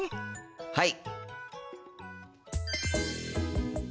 はい！